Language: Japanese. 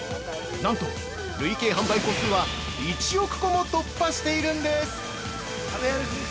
なんと累計販売個数は１億個も突破しているんです！